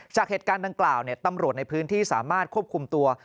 จากเหตุการณ์ดังกล่าวตำรวจในพื้นที่สามารถควบคุมตัว